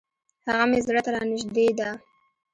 هغه مي زړه ته را نژدې ده .